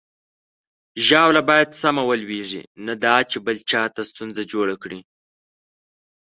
ژاوله باید سمه ولویږي، نه دا چې بل چاته ستونزه جوړه کړي.